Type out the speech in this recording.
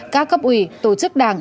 các cấp ủy tổ chức đảng